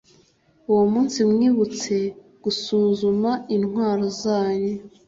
Uwo munsi mwibutse gusuzuma intwaro zanyu,